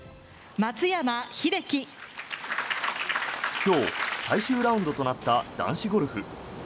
今日、最終ラウンドとなった男子ゴルフ。